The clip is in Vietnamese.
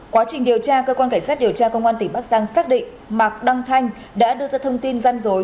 quá trình điều tra cơ quan cảnh sát điều tra công an tỉnh bắc giang xác định mạc đăng thanh đã đưa ra thông tin gian dối